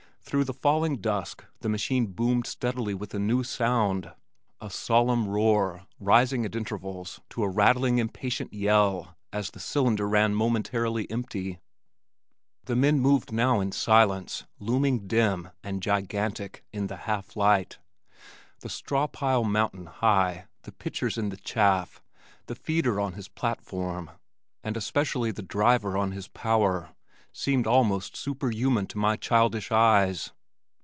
Through the falling dusk, the machine boomed steadily with a new sound, a solemn roar, rising at intervals to a rattling impatient yell as the cylinder ran momentarily empty. The men moved now in silence, looming dim and gigantic in the half light. The straw pile mountain high, the pitchers in the chaff, the feeder on his platform, and especially the driver on his power, seemed almost superhuman to my childish eyes.